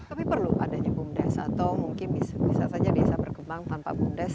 tapi perlu adanya bumdes atau mungkin bisa saja desa berkembang tanpa bumdes